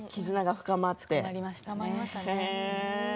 深まりました。